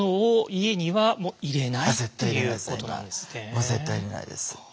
もう絶対入れないです。